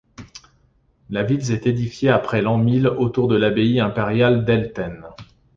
La ville s'est édifiée après l'an mil autour de l'abbaye impériale d’Elten.